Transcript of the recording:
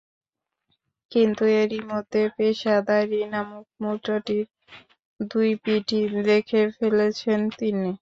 কিন্তু এরই মধ্যে পেশাদারি নামক মুদ্রাটির দুই পিঠই দেখে ফেলেছেন তিনি।